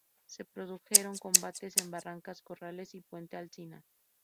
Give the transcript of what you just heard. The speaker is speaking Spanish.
Se produjeron combates en Barracas, Corrales y Puente Alsina.